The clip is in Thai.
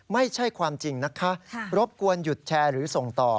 ไม่ใช่ความจริงนะคะรบกวนหยุดแชร์หรือส่งต่อ